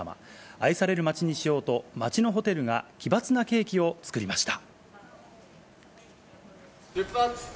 愛される街にしようと、町のホテルが奇抜なケーキを作りました。